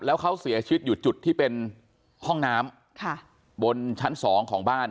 แล้วเขาเสียชีวิตอยู่จุดที่เป็นห้องน้ำบนชั้นสองของบ้าน